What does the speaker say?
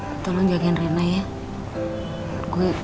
makasih makan kepada heka gue